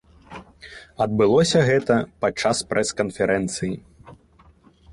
Адбылося гэта падчас прэс-канферэнцыі.